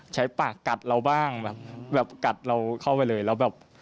ใช้ปากกัดเราบ้างแบบกัดเราเข้าไปเลยแล้วแบบ